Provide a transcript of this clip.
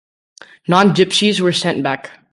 Non-gypsies were sent back.